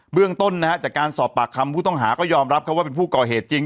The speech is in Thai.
เรื่องต้นจากการสอบปากคำผู้ต้องหาก็ยอมรับเขาว่าเป็นผู้ก่อเหตุจริง